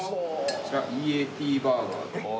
こちらＥ・Ａ・Ｔバーガーです。